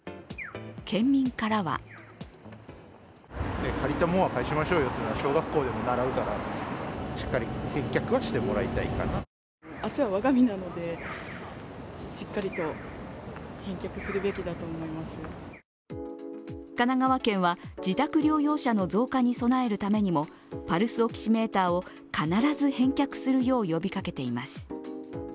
県民からは神奈川県は自宅療養者の増加に備えるためにもパルスオキシメーターを必ず返却するよう呼びかけています。